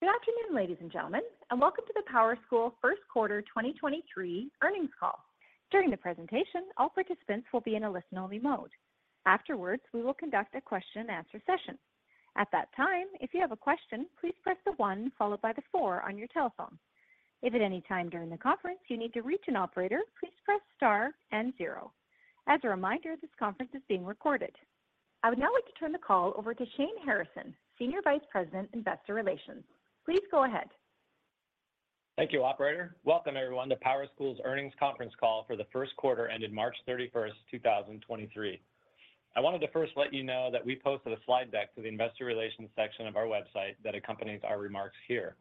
Good afternoon, ladies and gentlemen, welcome to the PowerSchool First Quarter 2023 Earnings Call. During the presentation, all participants will be in a listen-only mode. Afterwards, we will conduct a question-and-answer session. At that time, if you have a question, please press one followed by four on your telephone. If at any time during the conference you need to reach an operator, please press star and zero. As a reminder, this conference is being recorded. I would now like to turn the call over to Shane Harrison, Senior Vice President, Investor Relations. Please go ahead. Thank you, operator. Welcome everyone to PowerSchool's Earnings Conference Call for the first quarter ended March 31, 2023. I wanted to first let you know that we posted a slide deck to the investor relations section of our website that accompanies our remarks here.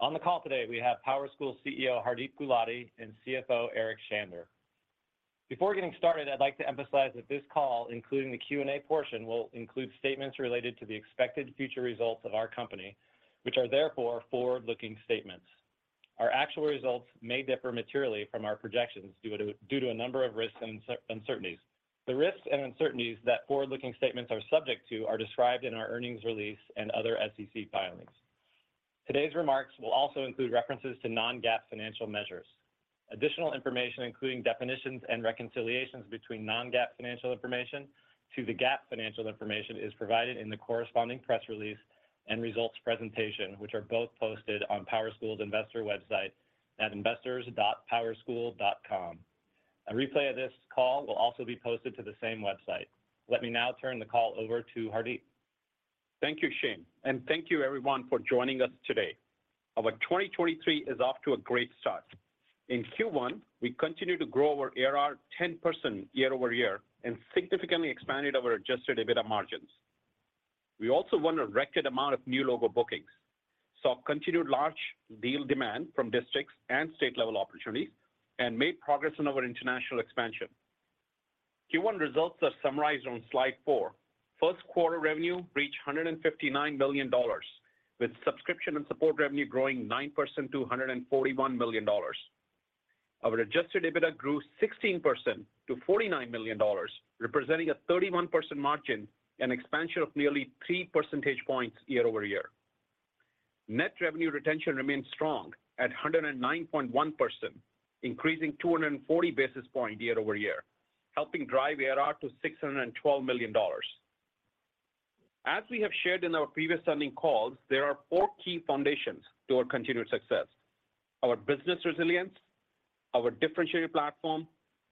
On the call today we have PowerSchool CEO, Hardeep Gulati, and CFO, Eric Shander. Before getting started, I'd like to emphasize that this call, including the Q&A portion, will include statements related to the expected future results of our company, which are therefore forward-looking statements. Our actual results may differ materially from our projections due to a number of risks and uncertainties. The risks and uncertainties that forward-looking statements are subject to are described in our earnings release and other SEC filings. Today's remarks will also include references to non-GAAP financial measures. Additional information, including definitions and reconciliations between non-GAAP financial information to the GAAP financial information, is provided in the corresponding press release and results presentation, which are both posted on PowerSchool's investor website at investors.powerschool.com. A replay of this call will also be posted to the same website. Let me now turn the call over to Hardeep. Thank you, Shane. Thank you everyone for joining us today. Our 2023 is off to a great start. In Q1, we continued to grow our ARR 10% year-over-year and significantly expanded our adjusted EBITDA margins. We also won a record amount of new logo bookings, saw continued large deal demand from districts and state-level opportunities, and made progress in our international expansion. Q1 results are summarized on Slide 4. First quarter revenue reached $159 million, with subscription and support revenue growing 9% to $141 million. Our adjusted EBITDA grew 16% to $49 million, representing a 31% margin, an expansion of nearly 3 percentage points year-over-year. Net revenue retention remains strong at 109.1%, increasing 240 basis points year-over-year, helping drive ARR to $612 million. We have shared in our previous earnings calls, there are four key foundations to our continued success: our business resilience, our differentiated platform,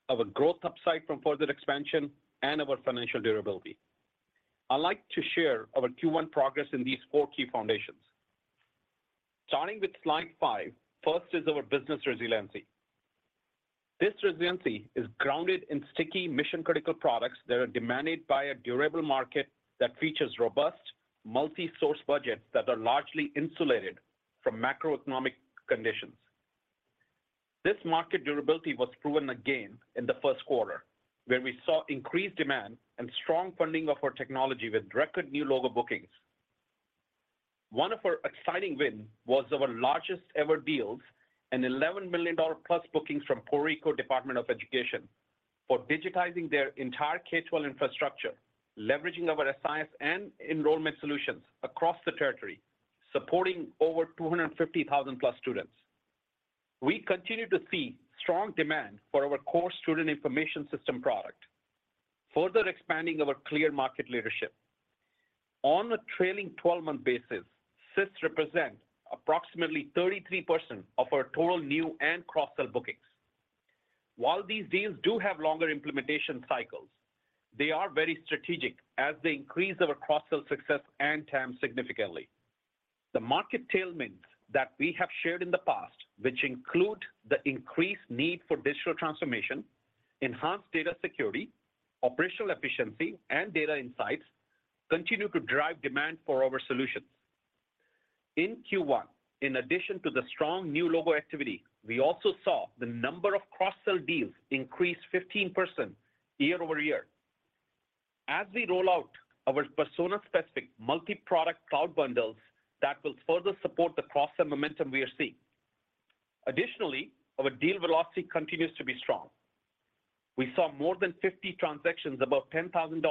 our growth upside from further expansion, and our financial durability. I'd like to share our Q1 progress in these four key foundations. Starting with Slide 5. First is our business resiliency. This resiliency is grounded in sticky mission-critical products that are demanded by a durable market that features robust multi-source budgets that are largely insulated from macroeconomic conditions. This market durability was proven again in the first quarter, where we saw increased demand and strong funding of our technology with record new logo bookings. One of our exciting win was our largest ever deals, an $11 million plus bookings from Puerto Rico Department of Education for digitizing their entire K-12 infrastructure, leveraging our science and enrollment solutions across the territory, supporting over 250,000 plus students. We continue to see strong demand for our core student information system product, further expanding our clear market leadership. On a trailing 12-month basis, SIS represent approximately 33% of our total new and cross-sell bookings. While these deals do have longer implementation cycles, they are very strategic as they increase our cross-sell success and TAM significantly. The market tailwinds that we have shared in the past, which include the increased need for digital transformation, enhanced data security, operational efficiency, and data insights, continue to drive demand for our solutions. In Q1, in addition to the strong new logo activity, we also saw the number of cross-sell deals increase 15% year-over-year. As we roll out our persona-specific multi-product cloud bundles, that will further support the cross-sell momentum we are seeing. Our deal velocity continues to be strong. We saw more than 50 transactions above $10,000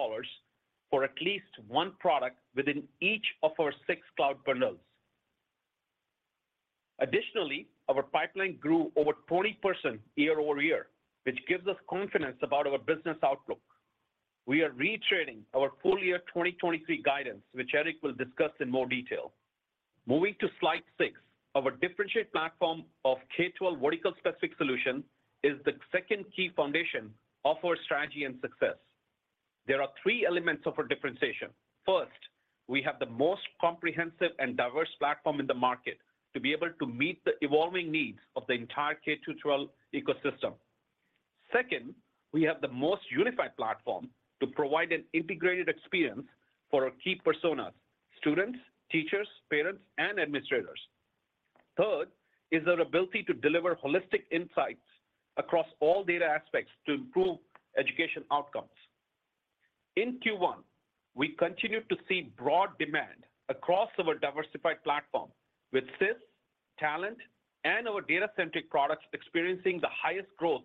for at least one product within each of our 6 cloud bundles. Our pipeline grew over 20% year-over-year, which gives us confidence about our business outlook. We are reiterating our full year 2023 guidance, which Eric will discuss in more detail. Moving to Slide 6. Our differentiate platform of K-12 vertical specific solution is the second key foundation of our strategy and success. There are 3 elements of our differentiation. First, we have the most comprehensive and diverse platform in the market to be able to meet the evolving needs of the entire K-12 ecosystem. Second, we have the most unified platform to provide an integrated experience for our key personas students, teachers, parents, and administrators. Third is our ability to deliver holistic insights across all data aspects to improve education outcomes. In Q1, we continued to see broad demand across our diversified platform with SIS, talent, and our data-centric products experiencing the highest growth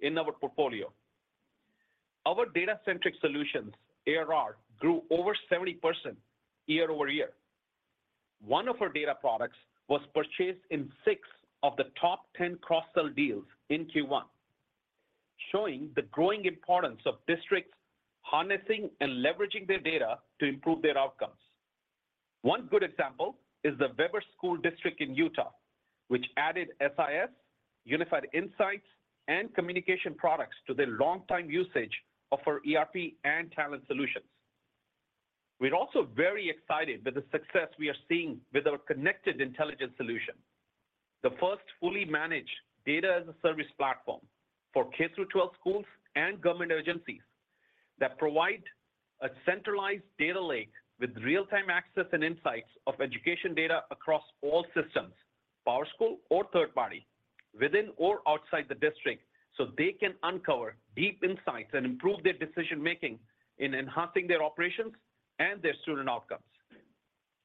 in our portfolio. Our data-centric solutions, ARR, grew over 70% year-over-year. One of our data products was purchased in 6 of the top 10 cross-sell deals in Q1, showing the growing importance of districts harnessing and leveraging their data to improve their outcomes. One good example is the Weber School District in Utah, which added SIS, Unified Insights and communication products to their longtime usage of our ERP and talent solutions. We're also very excited with the success we are seeing with our Connected Intelligence solution. The first fully managed Data as a Service platform for K-12 schools and government agencies that provide a centralized data lake with real-time access and insights of education data across all systems, PowerSchool or third party, within or outside the district, so they can uncover deep insights and improve their decision making in enhancing their operations and their student outcomes.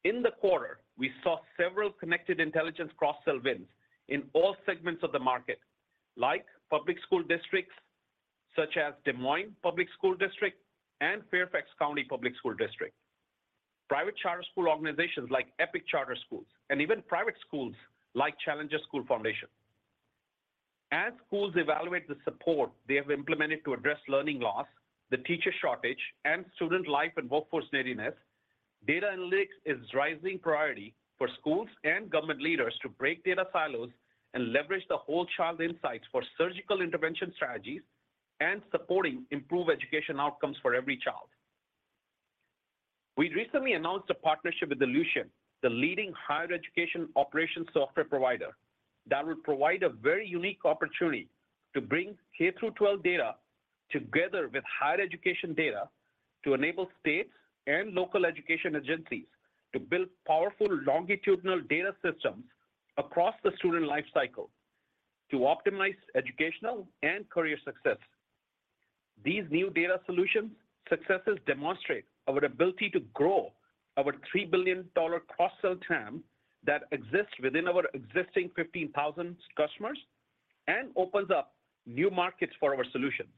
In the quarter, we saw several Connected Intelligence cross-sell wins in all segments of the market, like public school districts such as Des Moines Public School District and Fairfax County Public School District. Private charter school organizations like Epic Charter Schools, and even private schools like Challenger School Foundation. As schools evaluate the support they have implemented to address learning loss, the teacher shortage and student life and workforce readiness, data analytics is rising priority for schools and government leaders to break data silos and leverage the whole child insights for surgical intervention strategies and supporting improved education outcomes for every child. We recently announced a partnership with Ellucian, the leading higher education operations software provider that will provide a very unique opportunity to bring K through twelve data together with higher education data to enable states and local education agencies to build powerful longitudinal data systems across the student life cycle to optimize educational and career success. These new data solutions successes demonstrate our ability to grow our $3 billion cross-sell TAM that exists within our existing 15,000 customers and opens up new markets for our solutions.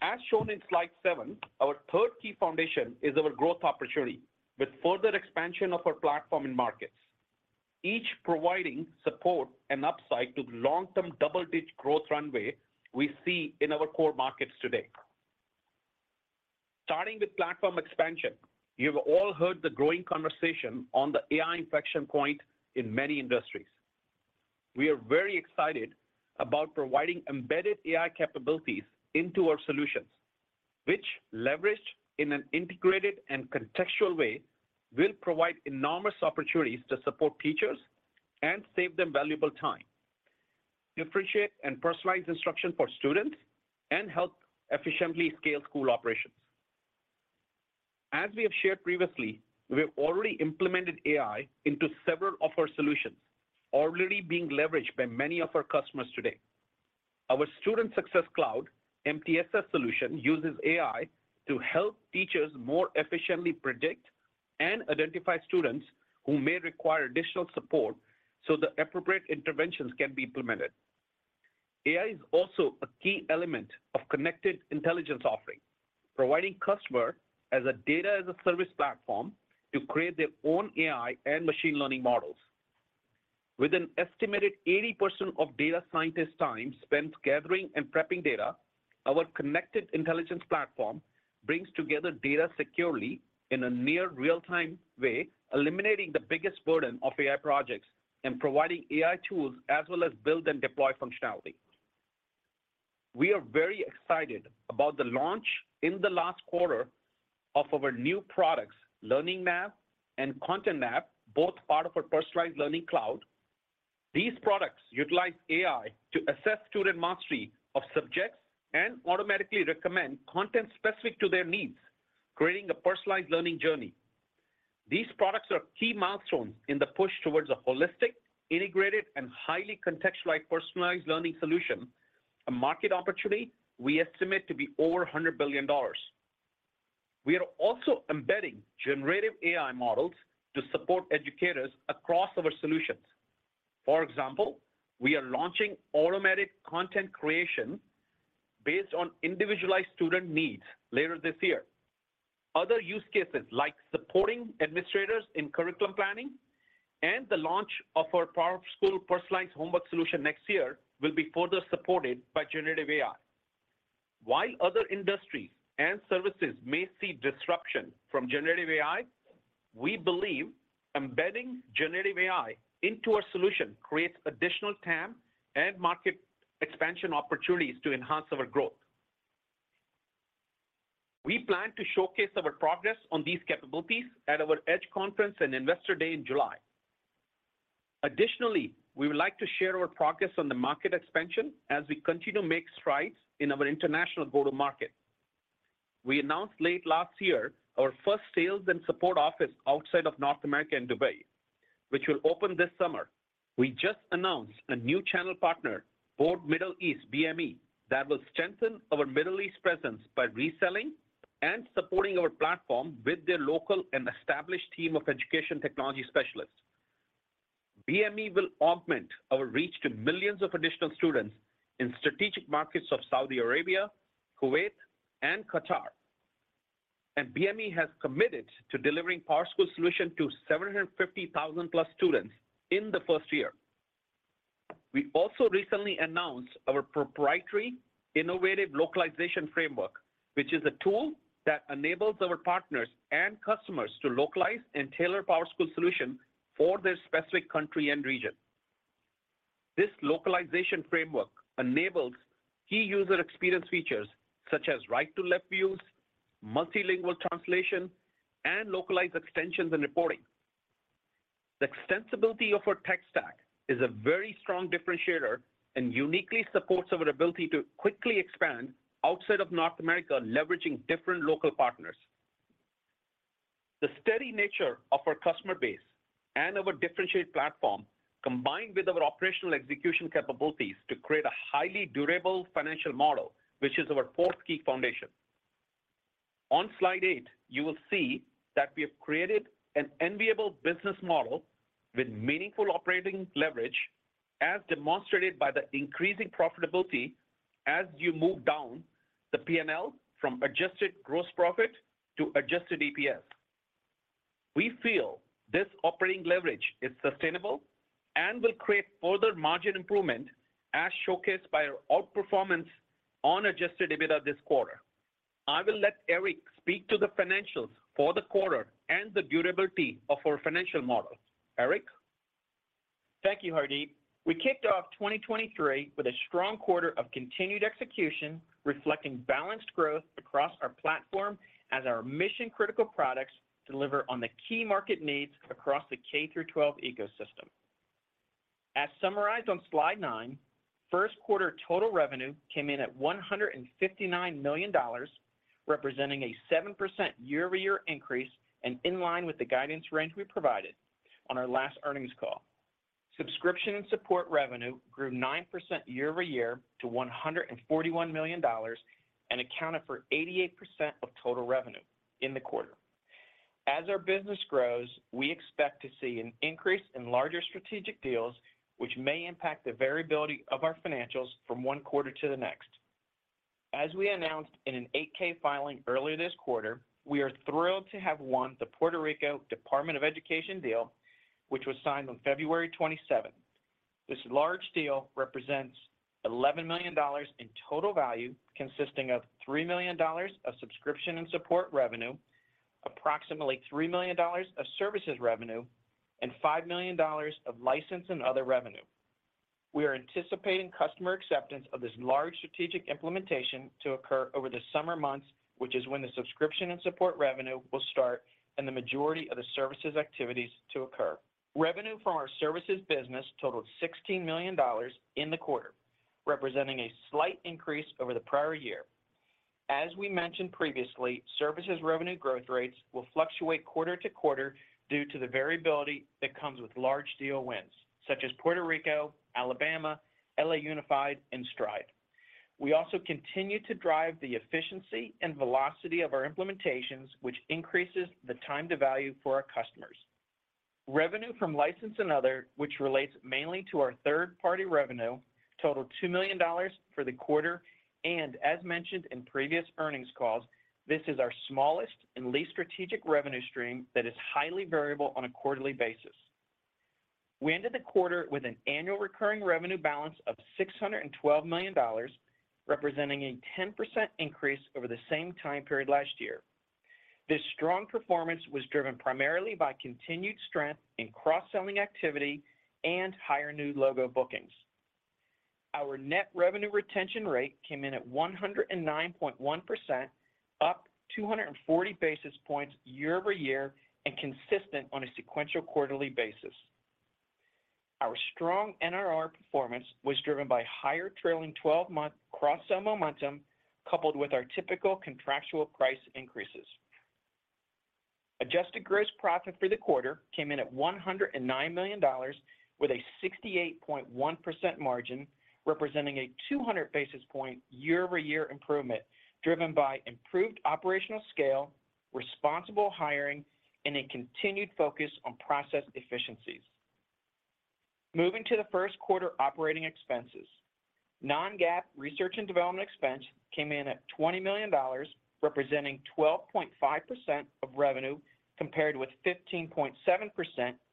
As shown in Slide 7, our third key foundation is our growth opportunity with further expansion of our platform and markets, each providing support and upside to long-term double-digit growth runway we see in our core markets today. Starting with platform expansion, you've all heard the growing conversation on the AI inflection point in many industries. We are very excited about providing embedded AI capabilities into our solutions, which leveraged in an integrated and contextual way, will provide enormous opportunities to support teachers and save them valuable time, differentiate and personalize instruction for students, and help efficiently scale school operations. As we have shared previously, we have already implemented AI into several of our solutions already being leveraged by many of our customers today. Our Student Success Cloud MTSS solution uses AI to help teachers more efficiently predict and identify students who may require additional support so the appropriate interventions can be implemented. AI is also a key element of Connected Intelligence offering, providing customer as a Data as a Service platform to create their own AI and machine learning models. With an estimated 80% of data scientists' time spent gathering and prepping data, our Connected Intelligence platform brings together data securely in a near real-time way, eliminating the biggest burden of AI projects and providing AI tools as well as build and deploy functionality. We are very excited about the launch in the last quarter of our new products, LearningNav and ContentNav, both part of our Personalized Learning Cloud. These products utilize AI to assess student mastery of subjects and automatically recommend content specific to their needs, creating a personalized learning journey. These products are key milestones in the push towards a holistic, integrated, and highly contextualized personalized learning solution, a market opportunity we estimate to be over $100 billion. We are also embedding Generative AI models to support educators across our solutions. For example, we are launching automatic content creation based on individualized student needs later this year. Other use cases like supporting administrators in curriculum planning and the launch of our PowerSchool Personalized Homework Solution next year will be further supported by Generative AI. While other industries and services may see disruption from Generative AI, we believe embedding Generative AI into our solution creates additional TAM and market expansion opportunities to enhance our growth. We plan to showcase our progress on these capabilities at our EDGE conference and Investor Day in July. Additionally, we would like to share our progress on the market expansion as we continue to make strides in our international go-to-market. We announced late last year our first sales and support office outside of North America in Dubai, which will open this summer. We just announced a new channel partner, Board Middle East, BME, that will strengthen our Middle East presence by reselling and supporting our platform with their local and established team of education technology specialists. BME will augment our reach to millions of additional students in strategic markets of Saudi Arabia, Kuwait, and Qatar. BME has committed to delivering PowerSchool solution to 750,000+ students in the first year. We also recently announced our proprietary innovative localization framework, which is a tool that enables our partners and customers to localize and tailor PowerSchool solution for their specific country and region. This localization framework enables key user experience features such as right-to-left views, multilingual translation, and localized extensions and reporting. The extensibility of our tech stack is a very strong differentiator and uniquely supports our ability to quickly expand outside of North America, leveraging different local partners. The steady nature of our customer base and our differentiated platform, combined with our operational execution capabilities to create a highly durable financial model, which is our fourth key foundation. On Slide 8, you will see that we have created an enviable business model with meaningful operating leverage, as demonstrated by the increasing profitability as you move down the PNL from adjusted gross profit to adjusted EPS. We feel this operating leverage is sustainable and will create further margin improvement, as showcased by our outperformance on adjusted EBITDA this quarter. I will let Eric speak to the financials for the quarter and the durability of our financial model. Eric? Thank you, Hardeep. We kicked off 2023 with a strong quarter of continued execution, reflecting balanced growth across our platform as our mission-critical products deliver on the key market needs across the K-12 ecosystem. As summarized on Slide 9, first quarter total revenue came in at $159 million, representing a 7% year-over-year increase and in line with the guidance range we provided on our last earnings call. Subscription and support revenue grew 9% year-over-year to $141 million and accounted for 88% of total revenue in the quarter. As our business grows, we expect to see an increase in larger strategic deals which may impact the variability of our financials from one quarter to the next. As we announced in an 8-K filing earlier this quarter, we are thrilled to have won the Puerto Rico Department of Education deal, which was signed on February 27th. This large deal represents $11 million in total value, consisting of $3 million of subscription and support revenue, approximately $3 million of services revenue, and $5 million of license and other revenue. We are anticipating customer acceptance of this large strategic implementation to occur over the summer months, which is when the subscription and support revenue will start and the majority of the services activities to occur. Revenue from our services business totaled $16 million in the quarter, representing a slight increase over the prior year. As we mentioned previously, services revenue growth rates will fluctuate quarter to quarter due to the variability that comes with large deal wins such as Puerto Rico, Alabama, L.A. Unified, and Stride. We also continue to drive the efficiency and velocity of our implementations, which increases the time to value for our customers. Revenue from license and other, which relates mainly to our third-party revenue, totaled $2 million for the quarter. As mentioned in previous earnings calls, this is our smallest and least strategic revenue stream that is highly variable on a quarterly basis. We ended the quarter with an annual recurring revenue balance of $612 million, representing a 10% increase over the same time period last year. This strong performance was driven primarily by continued strength in cross-selling activity and higher new logo bookings. Our net revenue retention rate came in at 109.1%, up 240 basis points year-over-year and consistent on a sequential quarterly basis. Our strong NRR performance was driven by higher trailing twelve month cross-sell momentum, coupled with our typical contractual price increases. Adjusted gross profit for the quarter came in at $109 million with a 68.1% margin, representing a 200 basis point year-over-year improvement, driven by improved operational scale, responsible hiring, and a continued focus on process efficiencies. Moving to the first quarter operating expenses. Non-GAAP research and development expense came in at $20 million, representing 12.5% of revenue, compared with 15.7%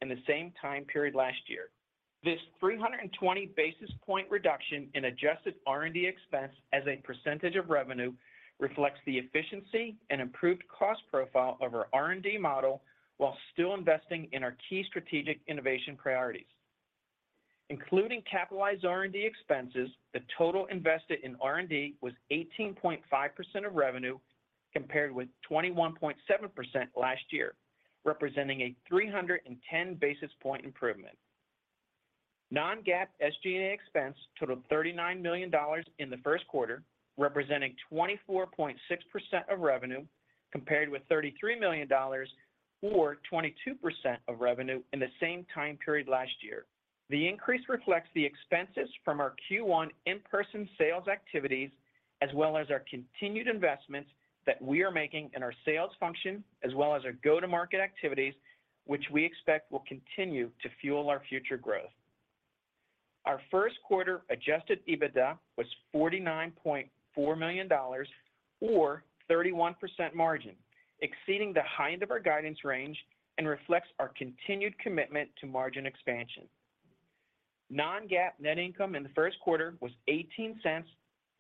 in the same time period last year. This 320 basis point reduction in adjusted R&D expense as a percentage of revenue reflects the efficiency and improved cost profile of our R&D model while still investing in our key strategic innovation priorities. Including capitalized R&D expenses, the total invested in R&D was 18.5% of revenue, compared with 21.7% last year, representing a 310 basis point improvement. non-GAAP SG&A expense totaled $39 million in the first quarter, representing 24.6% of revenue, compared with $33 million or 22% of revenue in the same time period last year. The increase reflects the expenses from our Q1 in-person sales activities, as well as our continued investments that we are making in our sales function, as well as our go-to-market activities, which we expect will continue to fuel our future growth. Our first quarter adjusted EBITDA was $49.4 million or 31% margin, exceeding the high end of our guidance range and reflects our continued commitment to margin expansion. Non-GAAP net income in the first quarter was $0.18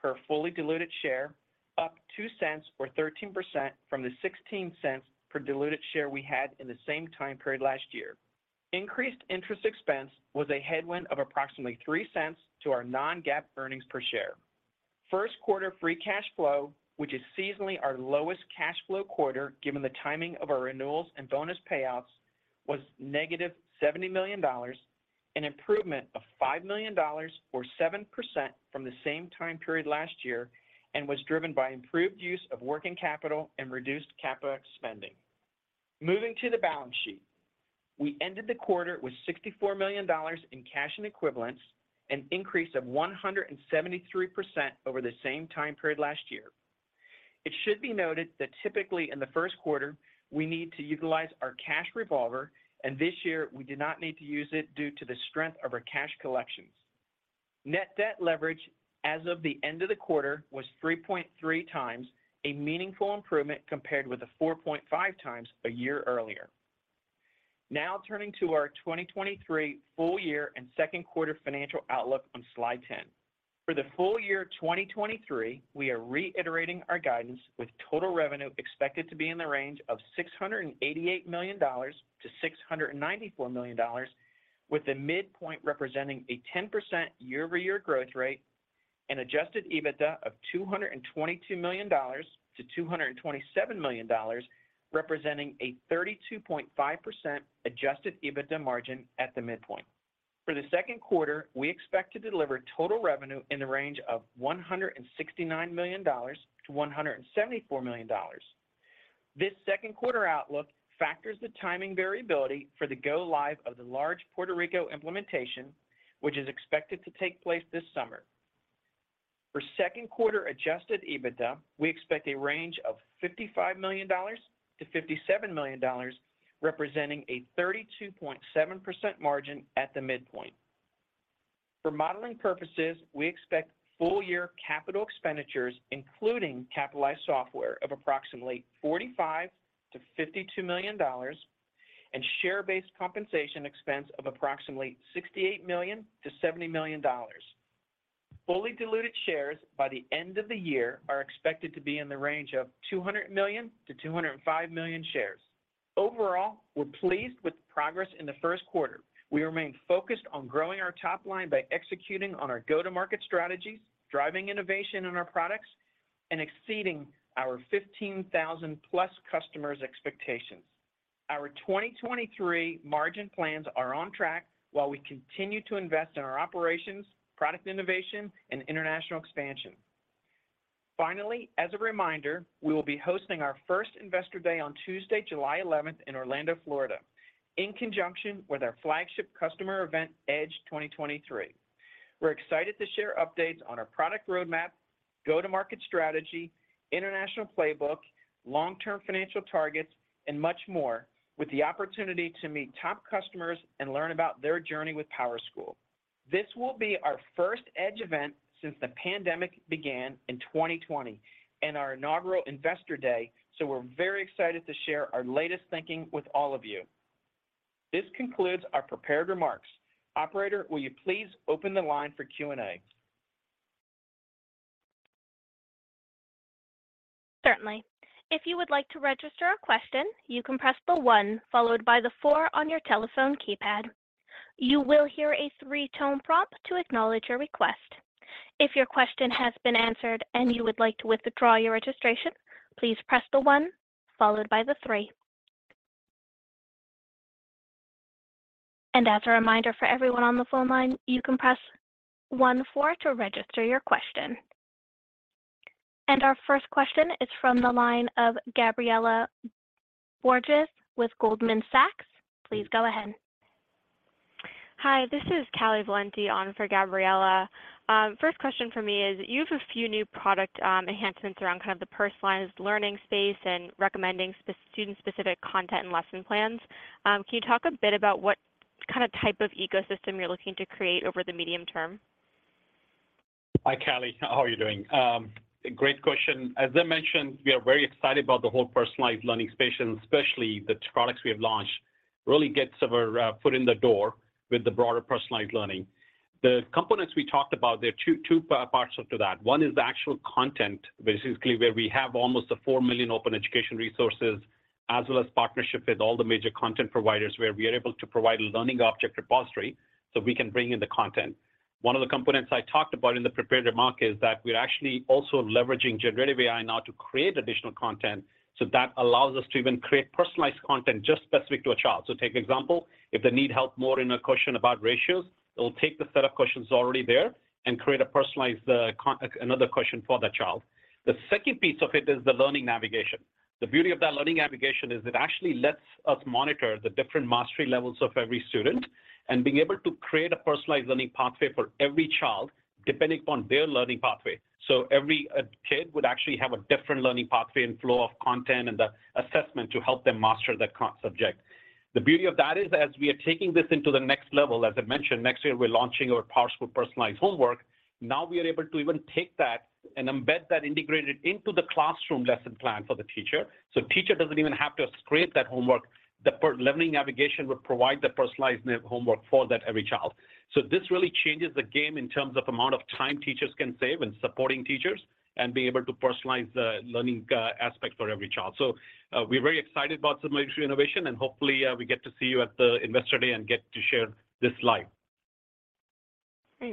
per fully diluted share, up $0.02 or 13% from the $0.16 per diluted share we had in the same time period last year. Increased interest expense was a headwind of approximately $0.03 to our non-GAAP earnings per share. First quarter Free Cash Flow, which is seasonally our lowest cash flow quarter, given the timing of our renewals and bonus payouts, was negative $70 million, an improvement of $5 million or 7% from the same time period last year, and was driven by improved use of working capital and reduced CapEx spending. Moving to the balance sheet. We ended the quarter with $64 million in cash and equivalents, an increase of 173% over the same time period last year. It should be noted that typically in the first quarter, we need to utilize our cash revolver. This year we did not need to use it due to the strength of our cash collections. Net debt leverage as of the end of the quarter was 3.3x, a meaningful improvement compared with the 4.5x a year earlier. Turning to our 2023 full year and second quarter financial outlook on Slide 10. For the full year 2023, we are reiterating our guidance with total revenue expected to be in the range of $688 million-$694 million, with the midpoint representing a 10% year-over-year growth rate, an adjusted EBITDA of $222 million-$227 million, representing a 32.5% adjusted EBITDA margin at the midpoint. For the second quarter, we expect to deliver total revenue in the range of $169 million-$174 million. This second quarter outlook factors the timing variability for the go live of the large Puerto Rico implementation, which is expected to take place this summer. For second quarter adjusted EBITDA, we expect a range of $55 million-$57 million, representing a 32.7% margin at the midpoint. For modeling purposes, we expect full year capital expenditures, including capitalized software of approximately $45 million-$52 million and share-based compensation expense of approximately $68 million-$70 million. Fully diluted shares by the end of the year are expected to be in the range of 200 million-205 million shares. Overall, we're pleased with progress in the first quarter. We remain focused on growing our top line by executing on our go-to-market strategies, driving innovation in our products, and exceeding our 15,000+ customers expectations. Our 2023 margin plans are on track while we continue to invest in our operations, product innovation, and international expansion. Finally, as a reminder, we will be hosting our first Investor Day on Tuesday, July 11th in Orlando, Florida, in conjunction with our flagship customer event, EDGE 2023. We're excited to share updates on our product roadmap, go-to-market strategy, international playbook, long-term financial targets, and much more with the opportunity to meet top customers and learn about their journey with PowerSchool. This will be our first EDGE event since the pandemic began in 2020 and our inaugural Investor Day, so we're very excited to share our latest thinking with all of you. This concludes our prepared remarks. Operator, will you please open the line for Q&A? Certainly. If you would like to register a question, you can press the one followed by the four on your telephone keypad. You will hear a three-tone prompt to acknowledge your request. If your question has been answered and you would like to withdraw your registration, please press the one followed by the three. As a reminder for everyone on the phone line, you can press one, four to register your question. Our first question is from the line of Gabriela Borges with Goldman Sachs. Please go ahead. Hi, this is Carolyn Valenti on for Gabriela. First question for me is you have a few new product enhancements around kind of the personalized learning space and recommending student-specific content and lesson plans. Can you talk a bit about what kind of type of ecosystem you're looking to create over the medium term? Hi, Callie, how are you doing? Great question. As I mentioned, we are very excited about the whole Personalized Learning space, and especially the products we have launched, really gets our foot in the door with the broader Personalized Learning. The components we talked about, there are two parts to that. One is the actual content, basically where we have almost a 4 million open education resources, as well as partnership with all the major content providers where we are able to provide a learning object repository, so we can bring in the content. One of the components I talked about in the prepared remark is that we're actually also leveraging Generative AI now to create additional content. So that allows us to even create personalized content just specific to a child. So take example. If they need help more in a question about ratios, it will take the set of questions already there and create a personalized another question for that child. The second piece of it is the learning navigation. The beauty of that learning navigation is it actually lets us monitor the different mastery levels of every student and being able to create a personalized learning pathway for every child depending upon their learning pathway. Every kid would actually have a different learning pathway and flow of content and the assessment to help them master that subject. The beauty of that is as we are taking this into the next level, as I mentioned, next year we're launching our Powerful Personalized Homework. We are able to even take that and embed that integrated into the classroom lesson plan for the teacher, so teacher doesn't even have to scrape that homework. The learning navigation will provide the personalized homework for that every child. This really changes the game in terms of amount of time teachers can save in supporting teachers and being able to personalize the learning aspect for every child. We're very excited about some major innovation, and hopefully, we get to see you at the Investor Day and get to share this live. Great.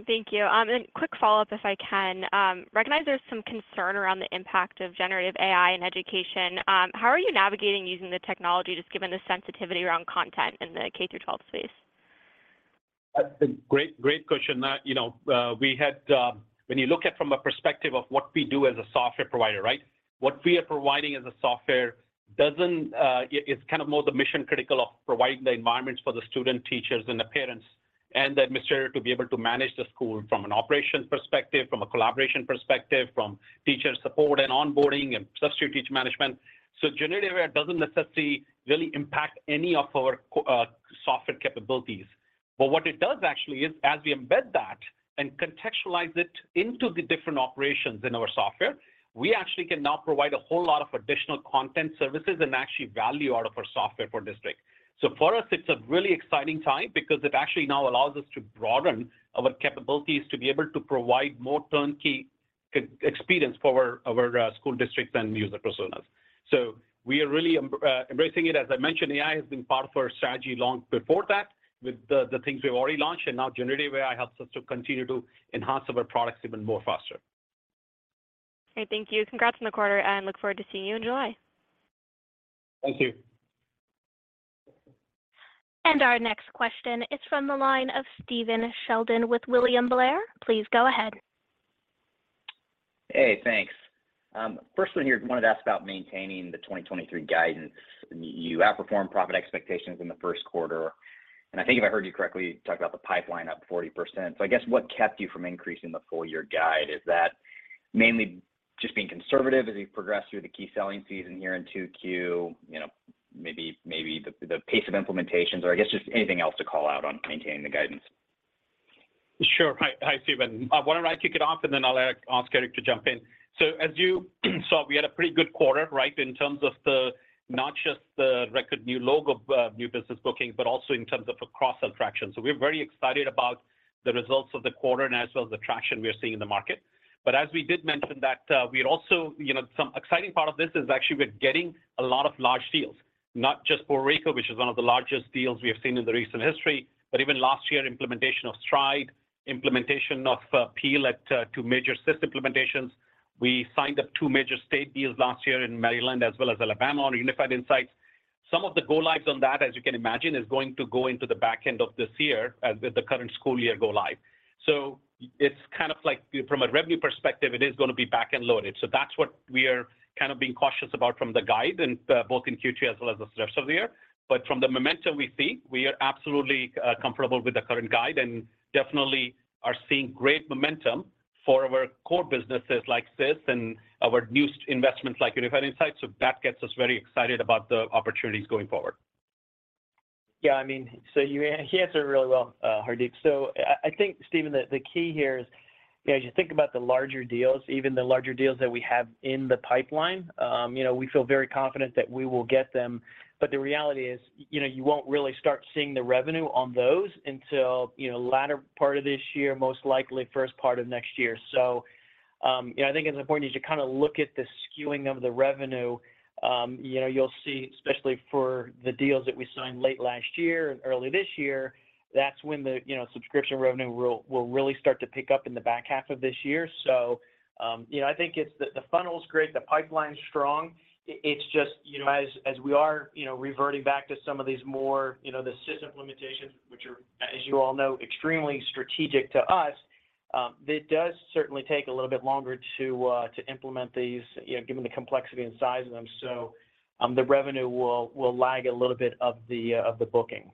Thank you. Quick follow-up if I can. Recognize there's some concern around the impact of Generative AI in education. How are you navigating using the technology, just given the sensitivity around content in the K-12 space? That's a great question. you know, When you look at from a perspective of what we do as a software provider, right? What we are providing as a software doesn't, it's kind of more the mission-critical of providing the environments for the student, teachers and the parents and the administrator to be able to manage the school from an operations perspective, from a collaboration perspective, from teacher support and onboarding and substitute teacher management. Generative AI doesn't necessarily really impact any of our software capabilities. What it does actually is as we embed that and contextualize it into the different operations in our software, we actually can now provide a whole lot of additional content services and actually value out of our software for district. For us, it's a really exciting time because it actually now allows us to broaden our capabilities to be able to provide more turnkey experience for our school districts and user personas. We are really embracing it. As I mentioned, AI has been part of our strategy long before that with the things we've already launched, and now generative AI helps us to continue to enhance our products even more faster. Great. Thank you. Congrats on the quarter and look forward to seeing you in July. Thank you. Our next question is from the line of Stephen Sheldon with William Blair. Please go ahead. Hey, thanks. First one here, wanted to ask about maintaining the 2023 guidance. You outperformed profit expectations in the first quarter, and I think if I heard you correctly, you talked about the pipeline up 40%. I guess what kept you from increasing the full year guide? Is that mainly just being conservative as you progress through the key selling season here in 2Q, you know, maybe the pace of implementations or I guess just anything else to call out on maintaining the guidance? Sure. Hi. Hi, Steven. Why don't I kick it off, and then I'll ask Eric to jump in. As you saw, we had a pretty good quarter, right? In terms of the, not just the record new logo, new business bookings, but also in terms of a cross-sell traction. We're very excited about the results of the quarter and as well as the traction we are seeing in the market. As we did mention that, we are also, you know. Some exciting part of this is actually we're getting a lot of large deals, not just Puerto Rico, which is one of the largest deals we have seen in the recent history, but even last year, implementation of Stride, implementation of Peel at 2 major SIS implementations. We signed up two major state deals last year in Maryland as well as Alabama on Unified Insights. Some of the go-lives on that, as you can imagine, is going to go into the back end of this year as the current school year go live. It's kind of like from a revenue perspective, it is gonna be back end loaded. That's what we are kind of being cautious about from the guide and both in Q2 as well as the rest of the year. From the momentum we see, we are absolutely comfortable with the current guide and definitely are seeing great momentum for our core businesses like SIS and our new investments like Unified Insights. That gets us very excited about the opportunities going forward. I mean you answered really well, Hardeep. I think, Stephen, the key here is, you know, as you think about the larger deals, even the larger deals that we have in the pipeline, you know, we feel very confident that we will get them. The reality is, you know, you won't really start seeing the revenue on those until, you know, latter part of this year, most likely first part of next year. I think it's important as you kinda look at the skewing of the revenue, you know, you'll see especially for the deals that we signed late last year and early this year, that's when the, you know, subscription revenue will really start to pick up in the back half of this year. You know, I think it's the funnel's great, the pipeline's strong. It's just, you know, as we are, you know, reverting back to some of these more, you know, the SIS implementations which are, as you all know, extremely strategic to us, it does certainly take a little bit longer to implement these, you know, given the complexity and size of them. The revenue will lag a little bit of the booking.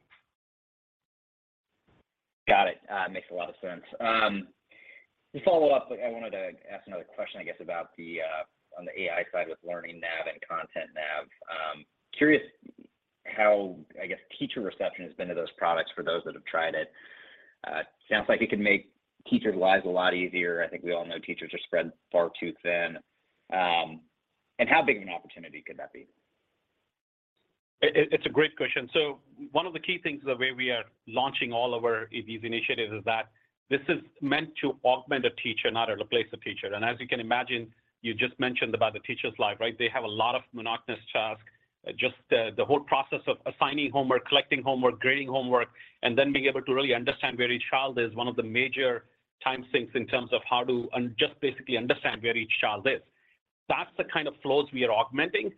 Got it. Makes a lot of sense. To follow up, I wanted to ask another question, I guess, about the on the AI side with LearningNav and ContentNav. Curious how, I guess, teacher reception has been to those products for those that have tried it. Sounds like it can make teachers' lives a lot easier. I think we all know teachers are spread far too thin. How big an opportunity could that be? It's a great question. One of the key things, the way we are launching all of our these initiatives is that this is meant to augment a teacher, not replace a teacher. As you can imagine, you just mentioned about the teacher's life, right? They have a lot of monotonous task. Just the whole process of assigning homework, collecting homework, grading homework, and then being able to really understand where each child is, one of the major time sinks in terms of how to just basically understand where each child is. That's the kind of flows we are augmenting.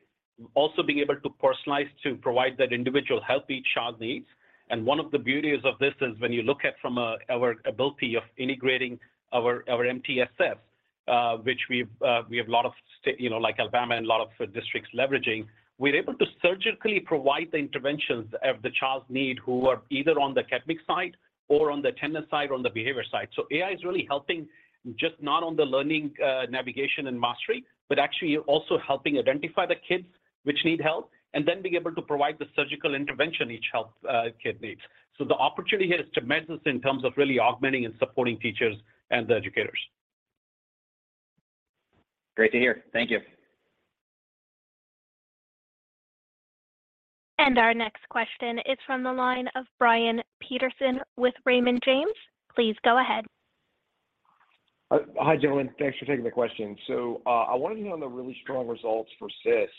Also being able to personalize to provide that individual help each child needs. One of the beauties of this is when you look at our ability of integrating our MTSS, which we've, we have a lot of you know, like Alabama and a lot of districts leveraging, we're able to surgically provide the interventions of the child's need who are either on the academic side or on the attendance side or on the behavior side. AI is really helping just not on the learning navigation and mastery, but actually also helping identify the kids which need help, and then being able to provide the surgical intervention each kid needs. The opportunity here is tremendous in terms of really augmenting and supporting teachers and the educators. Great to hear. Thank you. Our next question is from the line of Brian Peterson with Raymond James. Please go ahead. Hi, gentlemen. Thanks for taking the question. I wanted to know on the really strong results for SIS.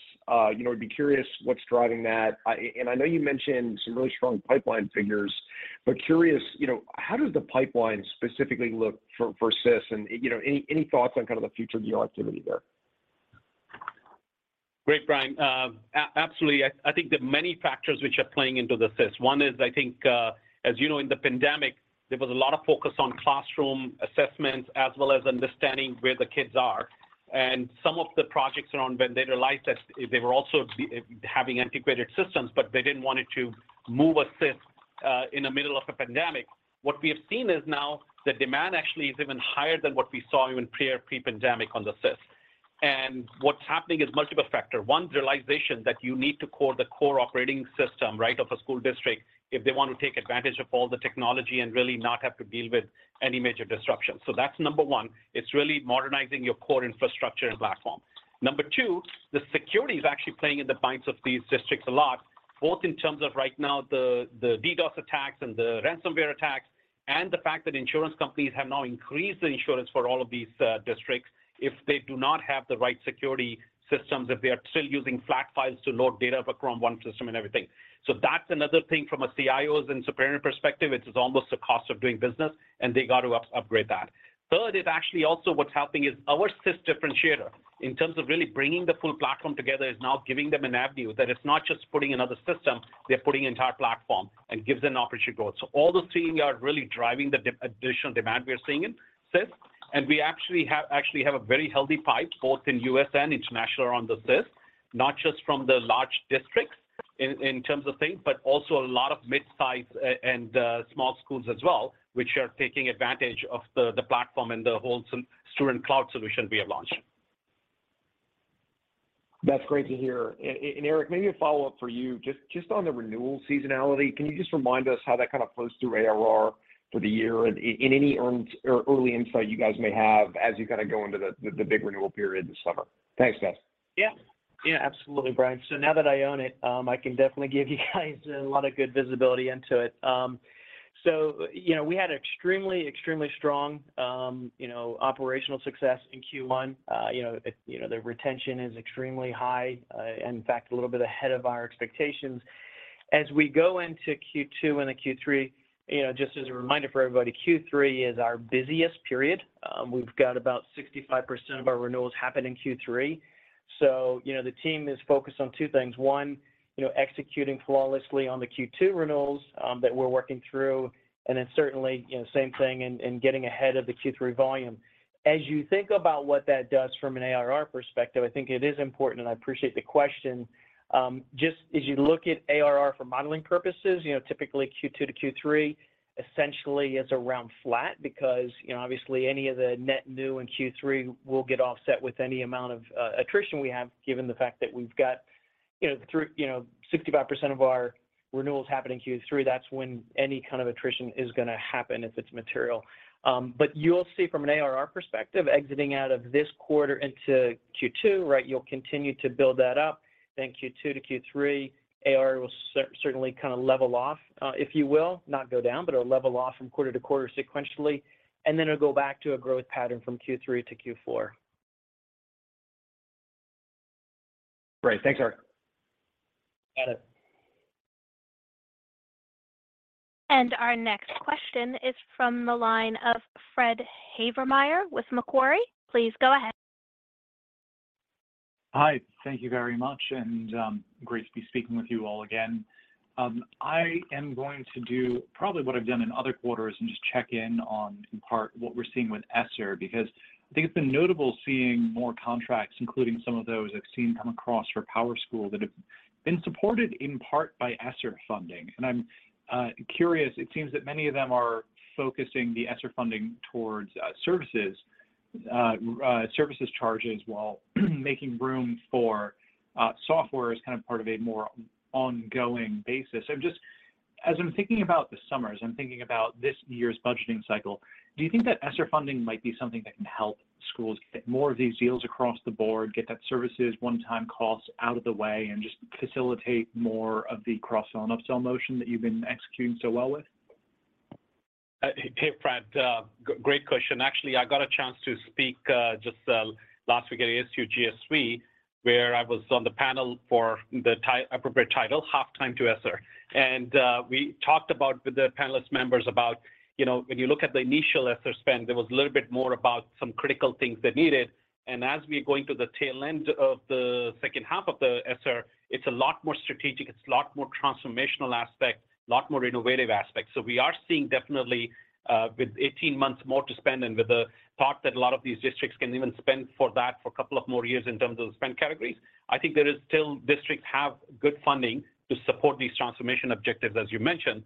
You know, I'd be curious what's driving that. I know you mentioned some really strong pipeline figures, but curious, you know, how does the pipeline specifically look for SIS and, you know, any thoughts on kind of the future deal activity there? Great, Brian. Absolutely. I think there are many factors which are playing into the SIS. One is, I think, as you know, in the pandemic, there was a lot of focus on classroom assessments as well as understanding where the kids are. Some of the projects around vendor license, they were also having antiquated systems, but they didn't want it to move a SIS in the middle of a pandemic. What we have seen is now the demand actually is even higher than what we saw even pre or pre-pandemic on the SIS. What's happening is multiple factor. One, the realization that you need to core the core operating system, right, of a school district if they want to take advantage of all the technology and really not have to deal with any major disruption. That's number one. It's really modernizing your core infrastructure and platform. Number two, the security is actually playing in the minds of these districts a lot, both in terms of right now the DDoS attacks and the ransomware attacks, and the fact that insurance companies have now increased the insurance for all of these districts if they do not have the right security systems, if they are still using flat files to load data across one system and everything. That's another thing from a CIO's and superintendent perspective. It's almost a cost of doing business, and they got to upgrade that. Third is actually also what's helping is our SIS differentiator in terms of really bringing the full platform together is now giving them an avenue that it's not just putting another system, we're putting entire platform and gives an opportunity growth. All those three are really driving the de-additional demand we are seeing in SIS. We actually have a very healthy pipe both in U.S. and international around the SIS, not just from the large districts in terms of things, but also a lot of mid-size and small schools as well, which are taking advantage of the platform and the wholesome student cloud solution we have launched. That's great to hear. Eric, maybe a follow-up for you just on the renewal seasonality. Can you just remind us how that kind of flows through ARR for the year and any early insight you guys may have as you kind of go into the big renewal period this summer? Thanks, guys. Absolutely, Brian. Now that I own it, I can definitely give you guys a lot of good visibility into it. You know, we had extremely strong, you know, operational success in Q1. You know, the retention is extremely high, in fact, a little bit ahead of our expectations. As we go into Q2 and Q3, you know, just as a reminder for everybody, Q3 is our busiest period. We've got about 65% of our renewals happen in Q3. You know, the team is focused on two things. One, you know, executing flawlessly on the Q2 renewals that we're working through, and then certainly, you know, same thing in getting ahead of the Q3 volume. As you think about what that does from an ARR perspective, I think it is important. I appreciate the question. Just as you look at ARR for modeling purposes, you know, typically Q2 to Q3 essentially is around flat because, you know, obviously any of the net new in Q3 will get offset with any amount of attrition we have, given the fact that we've got, you know, 65% of our renewals happen in Q3, that's when any kind of attrition is gonna happen if it's material. You'll see from an ARR perspective, exiting out of this quarter into Q2, right, you'll continue to build that up. Q2 to Q3, ARR will certainly kind of level off, if you will, not go down, but it'll level off from quarter-to-quarter sequentially, and then it'll go back to a growth pattern from Q3 to Q4. Great. Thanks, Eric. Got it. Our next question is from the line of Fred Havemeyer with Macquarie. Please go ahead. Hi. Thank you very much and great to be speaking with you all again. I am going to do probably what I've done in other quarters and just check in on in part what we're seeing with ESSER, because I think it's been notable seeing more contracts, including some of those I've seen come across for PowerSchool that have been supported in part by ESSER funding. I'm curious, it seems that many of them are focusing the ESSER funding towards services charges while making room for software as kind of part of a more ongoing basis. As I'm thinking about the summer, as I'm thinking about this year's budgeting cycle, do you think that ESSER funding might be something that can help schools get more of these deals across the board, get that services one-time cost out of the way, and just facilitate more of the cross sell and upsell motion that you've been executing so well with? Hey, hey, Fred. Great question. Actually, I got a chance to speak just last week at ASU+GSV, where I was on the panel for the appropriate title, Halftime to ESSER. We talked about with the panelist members about, you know, when you look at the initial ESSER spend, there was a little bit more about some critical things they needed. As we're going to the tail end of the second half of the ESSER, it's a lot more strategic, it's a lot more transformational aspect, a lot more innovative aspects. We are seeing definitely, with 18 months more to spend and with the thought that a lot of these districts can even spend for that for a couple of more years in terms of the spend categories, I think there is still districts have good funding to support these transformation objectives, as you mentioned.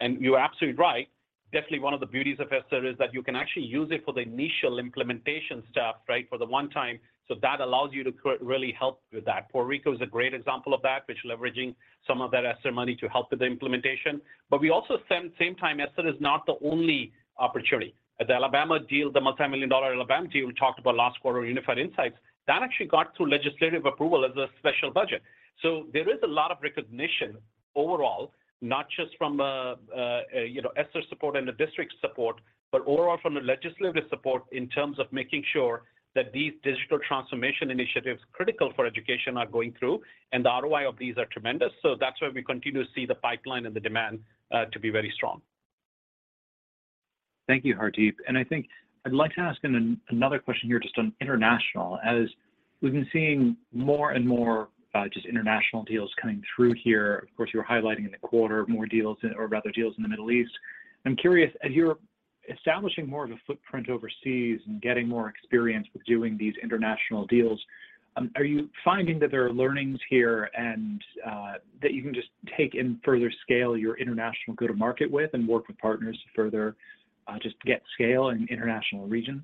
And you're absolutely right. Definitely one of the beauties of ESSER is that you can actually use it for the initial implementation stuff, right, for the one time. That allows you to really help with that. Puerto Rico is a great example of that, which leveraging some of that ESSER money to help with the implementation. We also same time, ESSER is not the only opportunity. The Alabama deal, the multimillion-dollar Alabama deal we talked about last quarter, Unified Insights, that actually got through legislative approval as a special budget. There is a lot of recognition overall, not just from, you know, ESSER support and the district support, but overall from the legislative support in terms of making sure that these digital transformation initiatives critical for education are going through. The ROI of these are tremendous. That's why we continue to see the pipeline and the demand to be very strong. Thank you, Hardeep. I think I'd like to ask another question here just on international. As we've been seeing more and more, just international deals coming through here. Of course, you were highlighting in the quarter more deals or rather deals in the Middle East. I'm curious, as you're establishing more of a footprint overseas and getting more experience with doing these international deals, are you finding that there are learnings here and that you can just take and further scale your international go-to-market with and work with partners to further, just get scale in international regions?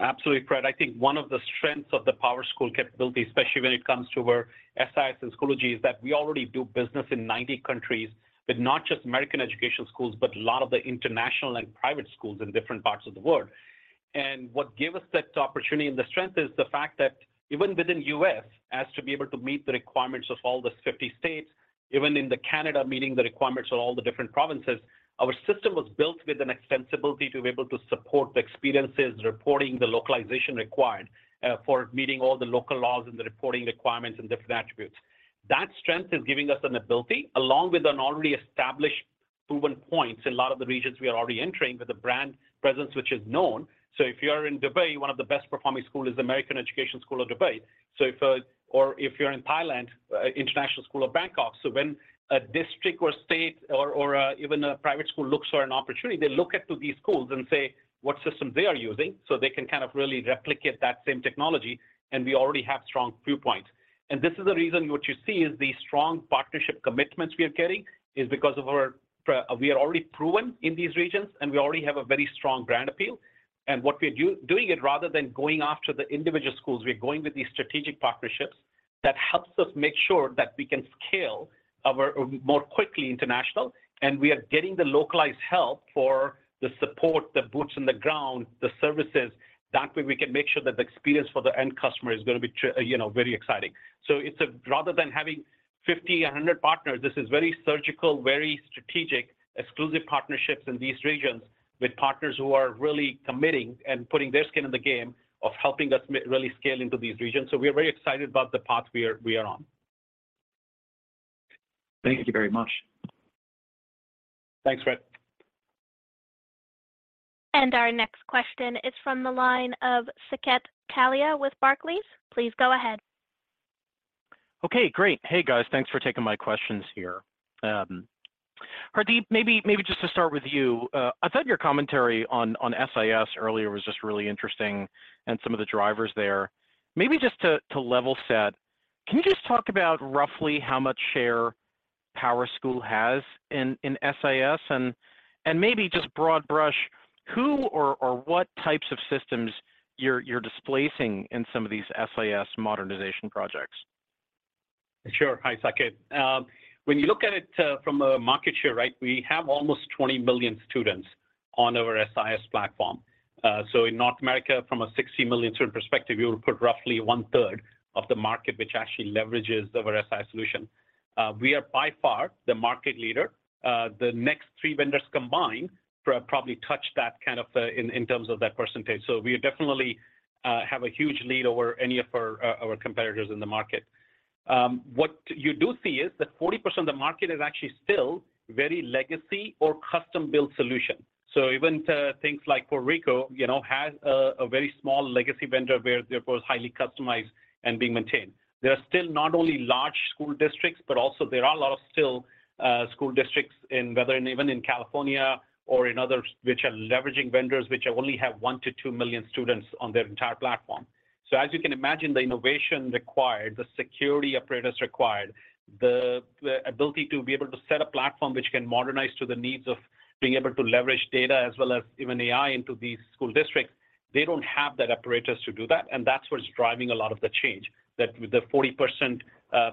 Absolutely, Fred. I think one of the strengths of the PowerSchool capability, especially when it comes to our SIS and Schoology, is that we already do business in 90 countries with not just American education schools, but a lot of the international and private schools in different parts of the world. What gave us that opportunity and the strength is the fact that even within U.S., as to be able to meet the requirements of all the 50 states, even in the Canada, meeting the requirements of all the different provinces, our system was built with an extensibility to be able to support the experiences, reporting, the localization required for meeting all the local laws and the reporting requirements and different attributes. That strength is giving us an ability, along with an already established proven points in a lot of the regions we are already entering with a brand presence which is known. If you are in Dubai, one of the best-performing school is American School of Dubai. If or if you're in Thailand, International School Bangkok. When a district or state or even a private school looks for an opportunity, they look at to these schools and say what system they are using, so they can kind of really replicate that same technology, and we already have strong viewpoints. This is the reason what you see is the strong partnership commitments we are getting is because we are already proven in these regions, and we already have a very strong brand appeal. What we're doing it rather than going after the individual schools, we're going with these strategic partnerships that helps us make sure that we can scale our more quickly international. We are getting the localized help for the support, the boots on the ground, the services. That way we can make sure that the experience for the end customer is gonna be, you know, very exciting. It's rather than having 50, 100 partners, this is very surgical, very strategic, exclusive partnerships in these regions with partners who are really committing and putting their skin in the game of helping us really scale into these regions. We are very excited about the path we are on. Thank you very much. Thanks, Fred. Our next question is from the line of Saket Kalia with Barclays. Please go ahead. Okay, great. Hey, guys. Thanks for taking my questions here. Hardeep, maybe just to start with you. I thought your commentary on SIS earlier was just really interesting and some of the drivers there. Maybe just to level set, can you just talk about roughly how much share PowerSchool has in SIS and maybe just broad brush who or what types of systems you're displacing in some of these SIS modernization projects? Sure. Hi, Saket. When you look at it, from a market share, right, we have almost 20 million students on our SIS platform. In North America, from a 60 million student perspective, you will put roughly 1/3 of the market which actually leverages our SIS solution. We are by far the market leader. The next three vendors combined probably touch that kind of, in terms of that percentage. We definitely have a huge lead over any of our competitors in the market. What you do see is that 40% of the market is actually still very legacy or custom-built solution. Even things like Puerto Rico, you know, has a very small legacy vendor where they're both highly customized and being maintained. There are still not only large school districts, but also there are a lot of still school districts in whether even in California or in others which are leveraging vendors which only have 1 to 2 million students on their entire platform. As you can imagine, the innovation required, the security apparatus required, the ability to be able to set a platform which can modernize to the needs of being able to leverage data as well as even AI into these school districts, they don't have that apparatus to do that, and that's what is driving a lot of the change. The 40%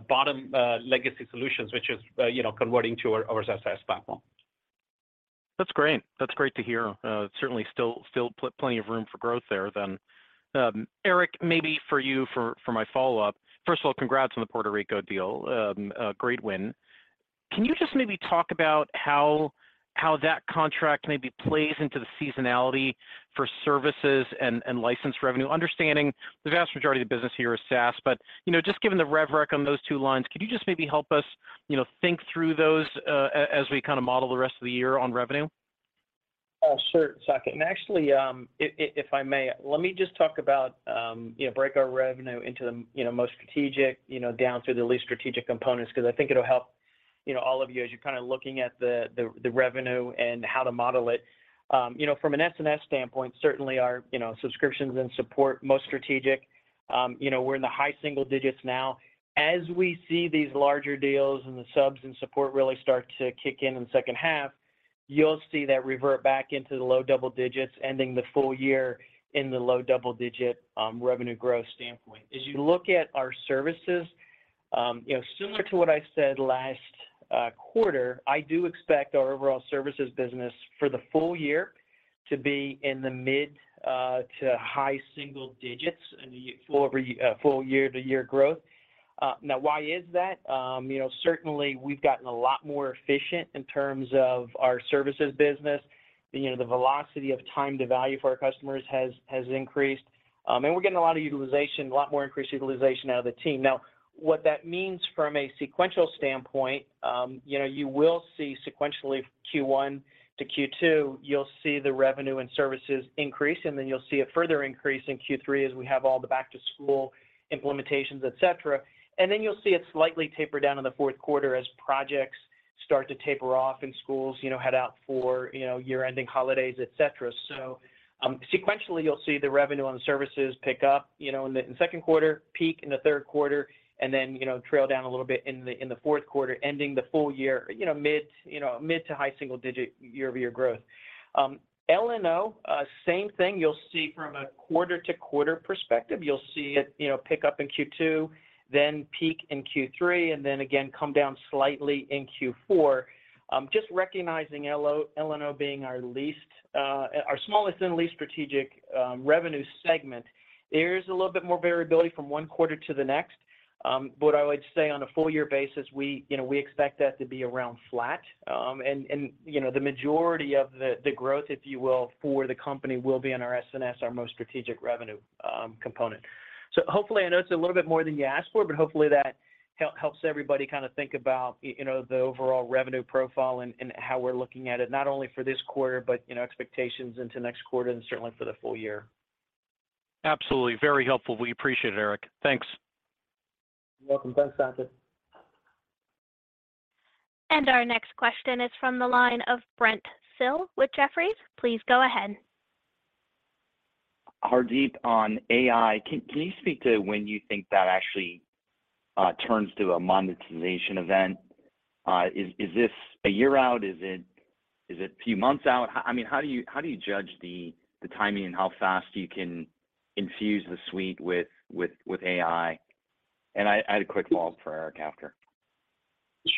bottom legacy solutions, which is, you know, converting to our SIS platform. That's great. That's great to hear. certainly still plenty of room for growth there then. Eric, maybe for you for my follow-up. First of all, congrats on the Puerto Rico deal. a great win. Can you just maybe talk about how that contract maybe plays into the seasonality for services and license revenue, understanding the vast majority of business here is SaaS. you know, just given the rev rec on those two lines, could you just maybe help us, you know, think through those as we kind of model the rest of the year on revenue? Oh, sure, Saket. Actually, if I may, let me just talk about, you know, break our revenue into the, you know, most strategic, you know, down through the least strategic components because I think it'll help, you know, all of you as you're kind of looking at the revenue and how to model it. You know, from an SNS standpoint, certainly our, you know, subscriptions and support most strategic. You know, we're in the high single digits now. As we see these larger deals and the subs and support really start to kick in the second half, you'll see that revert back into the low double digits, ending the full year in the low double digit revenue growth standpoint. As you look at our services, you know, similar to what I said last quarter, I do expect our overall services business for the full year to be in the mid- to high single digits in the full year-to-year growth. Now why is that? Certainly, we've gotten a lot more efficient in terms of our services business. You know, the velocity of time to value for our customers has increased. We're getting a lot of utilization, a lot more increased utilization out of the team. Now, what that means from a sequential standpoint, you know, you will see sequentially Q1 to Q2, you'll see the revenue and services increase, and then you'll see a further increase in Q3 as we have all the back to school implementations, et cetera. You'll see it slightly taper down in the fourth quarter as projects start to taper off and schools head out for year-ending holidays, et cetera. Sequentially, you'll see the revenue and services pick up in the second quarter, peak in the third quarter, and then trail down a little bit in the fourth quarter, ending the full year mid to high single-digit year-over-year growth. L&O, same thing, you'll see from a quarter-to-quarter perspective. You'll see it pick up in Q2, then peak in Q3, and then again come down slightly in Q4. Just recognizing L&O being our least, our smallest and least strategic revenue segment, there is a little bit more variability from one quarter to the next. I would say on a full year basis, we, you know, we expect that to be around flat. And, you know, the majority of the growth, if you will, for the company will be on our SNS, our most strategic revenue component. Hopefully, I know it's a little bit more than you asked for, but hopefully that helps everybody kind of think about, you know, the overall revenue profile and how we're looking at it not only for this quarter but, you know, expectations into next quarter and certainly for the full year. Absolutely. Very helpful. We appreciate it, Eric. Thanks. You're welcome. Thanks, Saket. Our next question is from the line of Brent Thill with Jefferies. Please go ahead. Hardeep, on AI, can you speak to when you think that actually turns to a monetization event? Is this a year out? Is it a few months out? I mean, how do you judge the timing and how fast you can infuse the suite with AI? I had a quick follow-up for Eric after.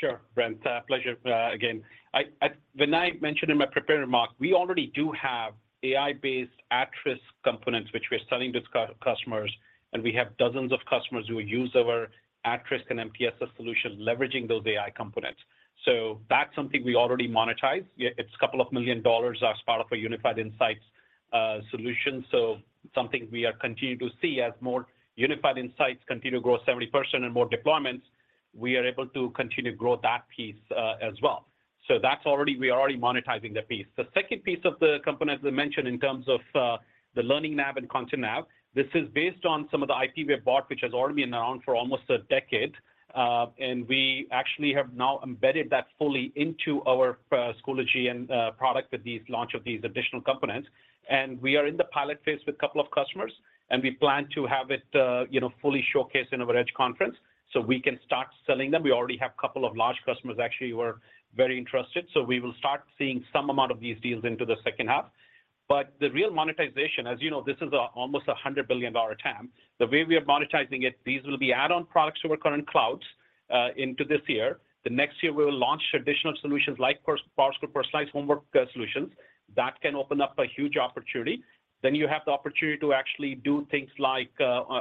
Sure, Brent. Pleasure again. When I mentioned in my prepared remarks, we already do have AI-based at-risk components which we're selling to customers, we have dozens of customers who use our at-risk and MTSS solution leveraging those AI components. That's something we already monetize. It's a couple of million dollars as part of our Unified Insights solution. Something we are continuing to see as more Unified Insights continue to grow 70% and more deployments, we are able to continue to grow that piece as well. That's already, we are already monetizing that piece. The second piece of the component, as I mentioned, in terms of the LearningNav and ContentNav, this is based on some of the IP we have bought, which has already been around for almost a decade. We actually have now embedded that fully into our Schoology and product with these launch of these additional components. We are in the pilot phase with a couple of customers, and we plan to have it, you know, fully showcased in our EDGE conference so we can start selling them. We already have a couple of large customers actually who are very interested, we will start seeing some amount of these deals into the second half. The real monetization, as you know, this is almost a $100 billion TAM. The way we are monetizing it, these will be add-on products to our current clouds into this year. The next year, we will launch additional solutions like PowerSchool Precise Homework solutions. That can open up a huge opportunity. You have the opportunity to actually do things like,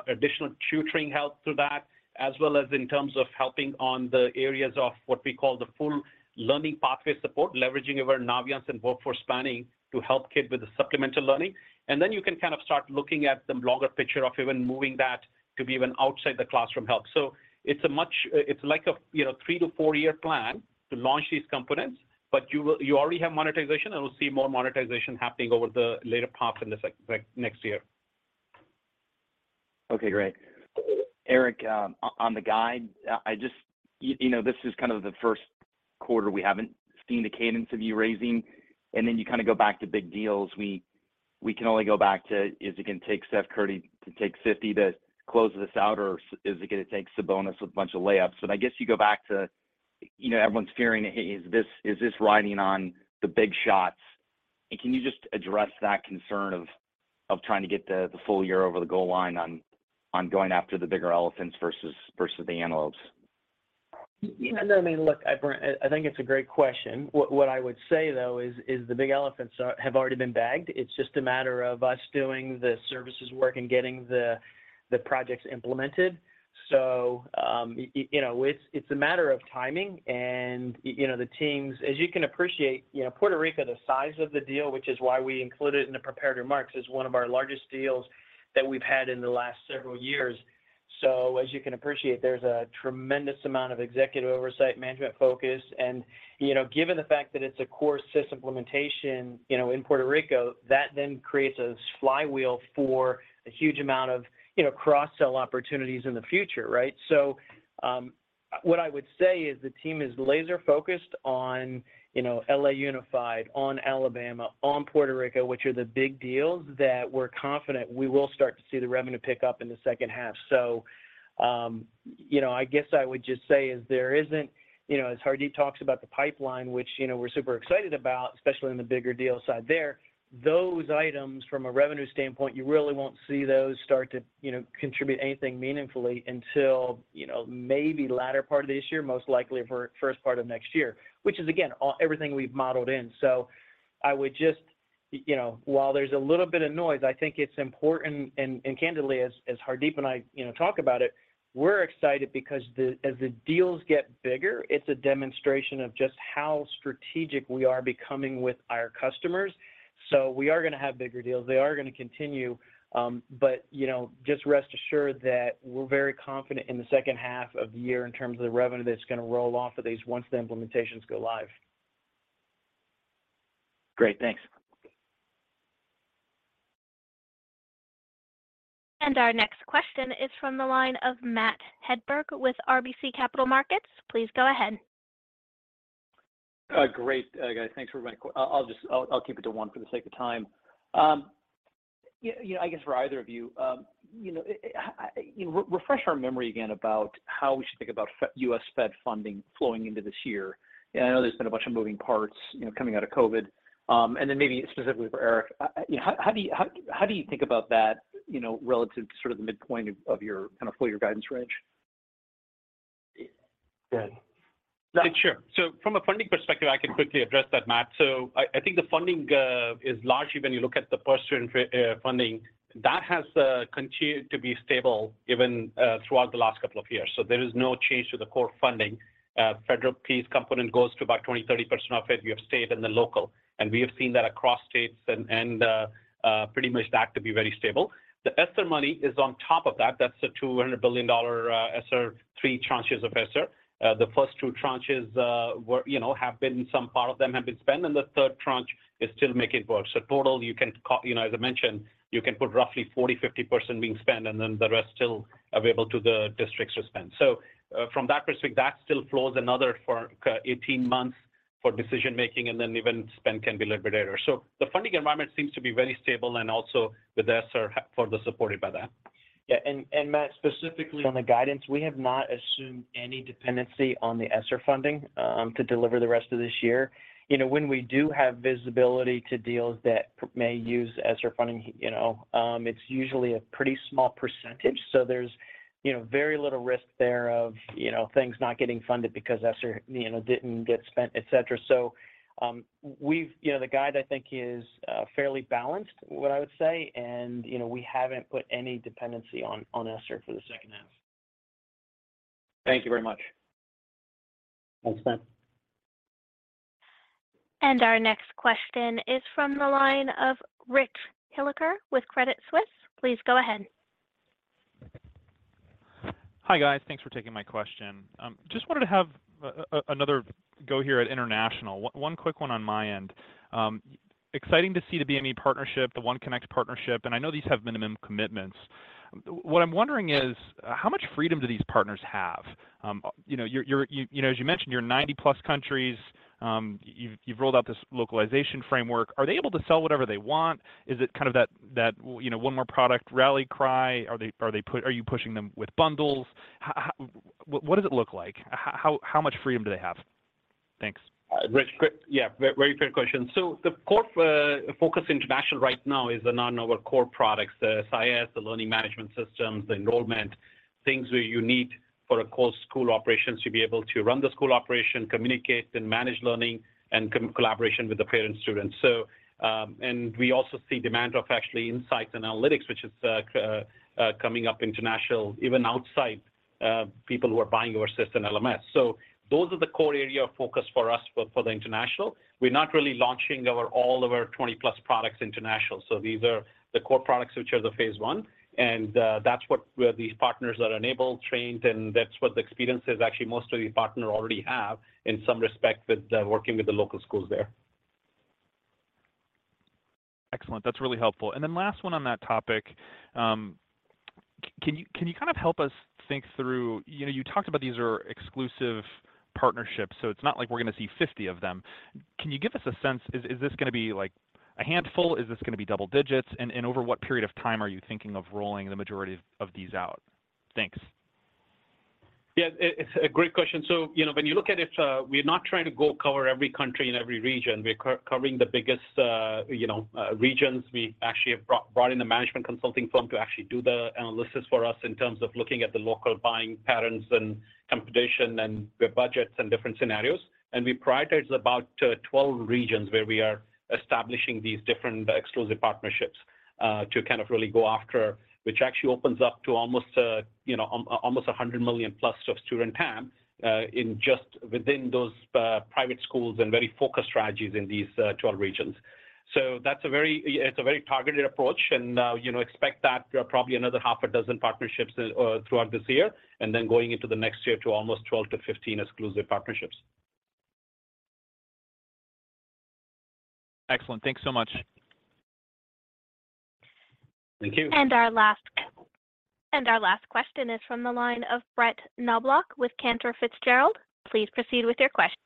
additional tutoring help through that, as well as in terms of helping on the areas of what we call the full learning pathway support, leveraging our Naviance and Workforce Planning to help kids with the supplemental learning. You can kind of start looking at the longer picture of even moving that to be even outside the classroom help. It's a much, it's like a, you know, three to four-year plan to launch these components, but you already have monetization, and we'll see more monetization happening over the later part in the next year. Okay, great. Eric, on the guide, I just you know, this is kind of the first quarter we haven't seen the cadence of you raising, and then you kind of go back to big deals. We can only go back to is it gonna take Stephen Sheldon to take 50 to close this out, or is it gonna take Sabonis with a bunch of layups? I guess you go back to, you know, everyone's fearing is this, is this riding on the big shots? Can you just address that concern of trying to get the full year over the goal line on going after the bigger elephants versus the antelopes? You know, I mean, look, Brent, I think it's a great question. What I would say, though, is the big elephants have already been bagged. It's just a matter of us doing the services work and getting the projects implemented. You know, it's a matter of timing, and you know, the teams. As you can appreciate, you know, Puerto Rico, the size of the deal, which is why we included it in the prepared remarks, is one of our largest deals that we've had in the last several years. As you can appreciate, there's a tremendous amount of executive oversight, management focus, and, you know, given the fact that it's a core SIS implementation, you know, in Puerto Rico, that then creates a flywheel for a huge amount of, you know, cross-sell opportunities in the future, right? What I would say is the team is laser-focused on, you know, LA Unified, on Alabama, on Puerto Rico, which are the big deals that we're confident we will start to see the revenue pick up in the second half. I guess I would just say is there isn't, you know, as Hardeep talks about the pipeline, which, you know, we're super excited about, especially in the bigger deal side there, those items from a revenue standpoint, you really won't see those start to, you know, contribute anything meaningfully until, you know, maybe latter part of this year, most likely first part of next year, which is again, everything we've modeled in. I would just, you know, while there's a little bit of noise, I think it's important and candidly as Hardeep and I, you know, talk about it, we're excited because the, as the deals get bigger, it's a demonstration of just how strategic we are becoming with our customers. We are gonna have bigger deals. They are gonna continue. You know, just rest assured that we're very confident in the second half of the year in terms of the revenue that's gonna roll off of these once the implementations go live. Great. Thanks. Our next question is from the line of Matt Hedberg with RBC Capital Markets. Please go ahead. Great guys. Thanks for my I'll just keep it to one for the sake of time. You know, I guess for either of you know, refresh our memory again about how we should think about U.S. Fed funding flowing into this year. I know there's been a bunch of moving parts, you know, coming out of COVID. Maybe specifically for Eric, you know, how do you think about that, you know, relative to sort of the midpoint of your kind of full year guidance range? Go ahead. Sure. From a funding perspective, I can quickly address that, Matt. I think the funding is largely when you look at the post-student funding, that has continued to be stable even throughout the last 2 years. There is no change to the core funding. Federal piece component goes to about 20%-30% of it. We have state and the local, and we have seen that across states and pretty much that to be very stable. The ESSER money is on top of that. That's a $200 billion ESSER, 3 tranches of ESSER. The first 2 tranches, you know, some part of them have been spent, and the 3rd tranche is still making progress. Total, you know, as I mentioned, you can put roughly 40%-50% being spent, and then the rest still available to the districts to spend. From that perspective, that still flows another 4-18 months for decision-making, and then even spend can be a little bit later. The funding environment seems to be very stable, and also with ESSER further supported by that. Yeah, Matt, specifically on the guidance, we have not assumed any dependency on the ESSER funding to deliver the rest of this year. You know, when we do have visibility to deals that may use ESSER funding, you know, it's usually a pretty small percentage, so there's, you know, very little risk there of, you know, things not getting funded because ESSER, you know, didn't get spent, et cetera. You know, the guide I think is fairly balanced, what I would say, and, you know, we haven't put any dependency on ESSER for the second half. Thank you very much. Thanks, Matt. Our next question is from the line of Rich Hilliker with Credit Suisse. Please go ahead. Hi, guys. Thanks for taking my question. Just wanted to have another go here at international. One quick one on my end. Exciting to see the BME partnership, the OneConnect partnership. I know these have minimum commitments. What I'm wondering is, how much freedom do these partners have? You know, as you mentioned, you're 90-plus countries. You've rolled out this localization framework. Are they able to sell whatever they want? Is it kind of that, you know, one more product rally cry? Are you pushing them with bundles? What does it look like? How much freedom do they have? Thanks. Rich, yeah, very fair question. The core focus international right now is on our core products, the SIS, the learning management systems, the enrollment, things where you need for a core school operations to be able to run the school operation, communicate, and manage learning and collaboration with the parents, students. We also see demand of actually insights and analytics, which is coming up international, even outside people who are buying our SIS and LMS. Those are the core area of focus for us for the international. We're not really launching our, all of our 20-plus products international. These are the core products which are the phase 1, and where these partners are enabled, trained, and that's what the experience is. Actually, most of the partner already have in some respect with working with the local schools there. Excellent. That's really helpful. Then last one on that topic. can you kind of help us think through, you know, you talked about these are exclusive partnerships, so it's not like we're gonna see 50 of them. Can you give us a sense, is this gonna be, like, a handful? Is this gonna be double digits? Over what period of time are you thinking of rolling the majority of these out? Thanks. Yeah, it's a great question. So, you know, when you look at it, we're not trying to go cover every country in every region. We're co-covering the biggest, you know, regions. We actually have brought in a management consulting firm to actually do the analysis for us in terms of looking at the local buying patterns and competition and the budgets and different scenarios. And we prioritized about 12 regions where we are establishing these different exclusive partnerships to kind of really go after, which actually opens up to almost a, you know, almost a 100 million plus of student TAM in just within those private schools and very focused strategies in these 12 regions. That's a very targeted approach. You know, expect that probably another half a dozen partnerships throughout this year, and then going into the next year to almost 12-15 exclusive partnerships. Excellent. Thanks so much. Thank you. Our last question is from the line of Brett Knoblauch with Cantor Fitzgerald. Please proceed with your question.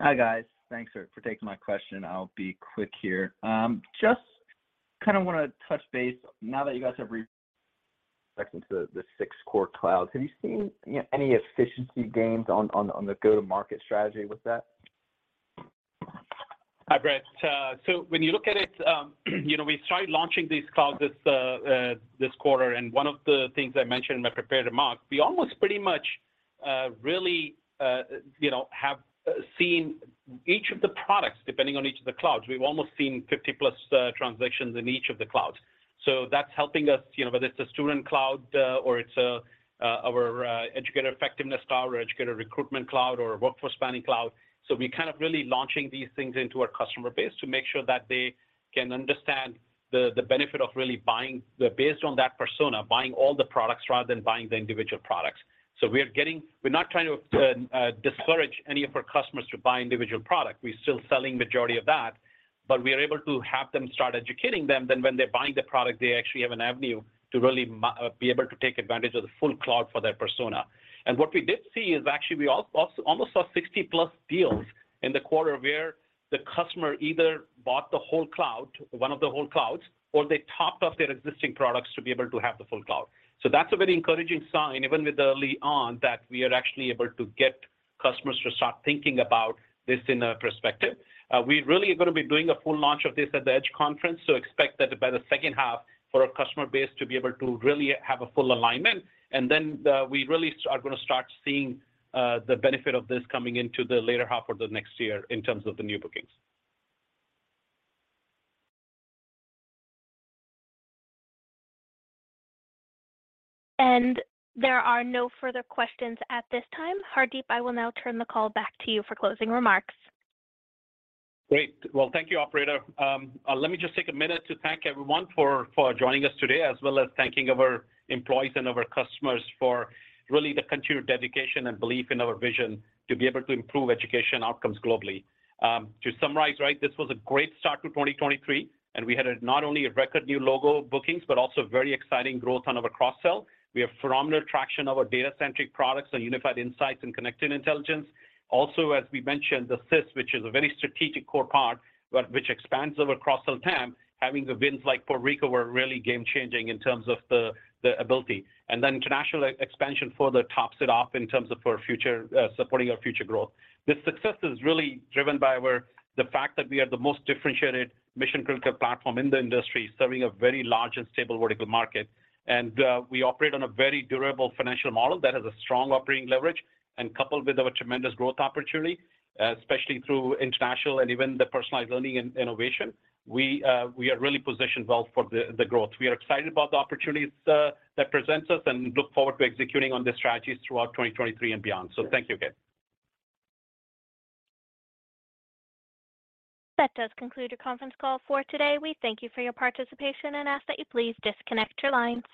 Hi, guys. Thanks for taking my question. I'll be quick here. Just kinda wanna touch base. Now that you guys have into the six core clouds, have you seen, you know, any efficiency gains on the go-to-market strategy with that? Hi, Brett. When you look at it, you know, we started launching these clouds this quarter. One of the things I mentioned in my prepared remarks, we almost pretty much really, you know, have seen each of the products, depending on each of the clouds. We've almost seen 50+ transactions in each of the clouds. That's helping us, you know, whether it's a Student Success Cloud, or it's our Educator Effectiveness Cloud or Educator Recruitment Cloud or Workforce Planning Cloud. We're kind of really launching these things into our customer base to make sure that they can understand the benefit of really buying based on that persona, buying all the products rather than buying the individual products. We're not trying to discourage any of our customers to buy individual product. We're still selling majority of that, but we are able to have them start educating them. When they're buying the product, they actually have an avenue to really be able to take advantage of the full cloud for their persona. What we did see is actually we almost saw 60 plus deals in the quarter where the customer either bought the whole cloud, one of the whole clouds, or they topped off their existing products to be able to have the full cloud. That's a very encouraging sign, even with the lead on, that we are actually able to get customers to start thinking about this in a perspective. We really are gonna be doing a full launch of this at the EDGE conference, expect that by the second half for our customer base to be able to really have a full alignment. We really are gonna start seeing the benefit of this coming into the later half of the next year in terms of the new bookings. There are no further questions at this time. Hardeep, I will now turn the call back to you for closing remarks. Great. Well, thank you, operator. Let me just take a minute to thank everyone for joining us today, as well as thanking our employees and our customers for really the continued dedication and belief in our vision to be able to improve education outcomes globally. To summarize, right, this was a great start to 2023, we had not only a record new logo bookings, but also very exciting growth on our cross sell. We have phenomenal traction of our data centric products and Unified Insights and Connected Intelligence. Also, as we mentioned, the SIS, which is a very strategic core part, but which expands our cross sell TAM. Having the wins like Puerto Rico were really game changing in terms of the ability. Then international expansion further tops it off in terms of our future supporting our future growth. This success is really driven by the fact that we are the most differentiated mission-critical platform in the industry, serving a very large and stable vertical market. We operate on a very durable financial model that has a strong operating leverage and coupled with our tremendous growth opportunity, especially through international and even the personalized learning and innovation. We are really positioned well for the growth. We are excited about the opportunities that presents us and look forward to executing on the strategies throughout 2023 and beyond. Thank you again. That does conclude your conference call for today. We thank you for your participation and ask that you please disconnect your lines.